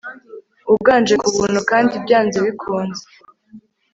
Uganje kubuntu kandi byanze bikunze